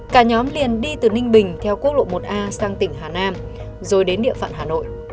cả nhóm liền đi từ ninh bình theo quốc lộ một a sang tỉnh hà nam rồi đến địa phận hà nội